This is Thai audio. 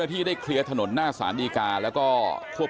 คุณตำรวจครับนี่ออกมาใจเย็นพี่เขาพี่เขาพี่เขา